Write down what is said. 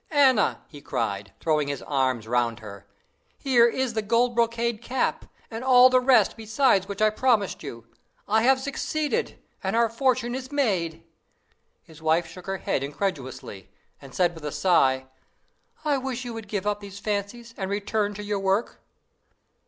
"'Anna!' he cried, throwing his arms round her, 'here is the gold brocade cap, and all the rest besides which I promised you. I have succeeded, and our fortune is made.' His wife shook her head incredulously, and said with a sigh: "'I wish you would give up these fancies, and return to your work.